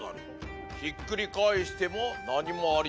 ひっくり返しても何もありませぬ。